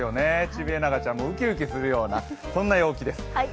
チビエナガちゃんもウキウキしちゃうような陽気です。